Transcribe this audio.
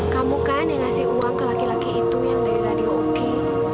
kamu kan yang ngasih uang ke laki laki itu yang dari radioki